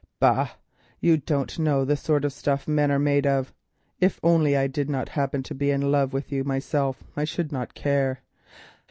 Bah! you don't know the sort of stuff men are made of. If only I did not happen to be in love with you myself I should not care.